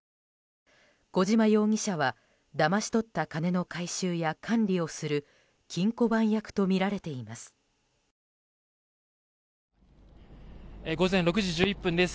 小島容疑者は、だまし取った金の回収や管理をする金庫番役とみられています。